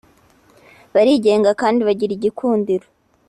barigenga kandi bagira igikundiro